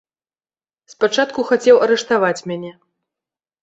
Спачатку хацеў арыштаваць мяне.